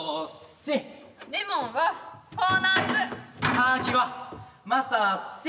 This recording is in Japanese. カーキはまさし。